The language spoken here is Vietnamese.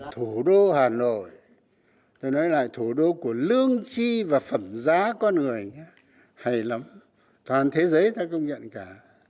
thủ đô hà nội tôi nói lại thủ đô của lương chi và phẩm giá con người hay lắm toàn thế giới ta công nhận cả